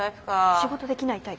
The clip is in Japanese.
仕事できないタイプ。